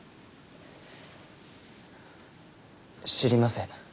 知りません。